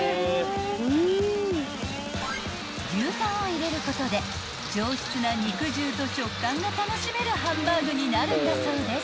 ［牛タンを入れることで上質な肉汁と食感が楽しめるハンバーグになるんだそうです］